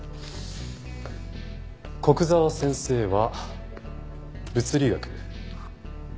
古久沢先生は物理学。